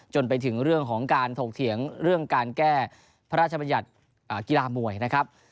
จนถึงเรื่องของการถกเถียงเรื่องการแก้พระราชบัญญัติกีฬามวยนะครับ